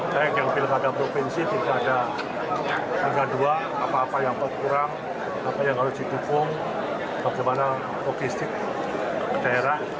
saya ingin pilih pada provinsi kita ada tiga dua apa apa yang perlu kurang apa yang harus ditukung bagaimana logistik daerah